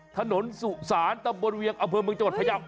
สุสานตำบลเวียงอำเภอเมืองจังหวัดพยาว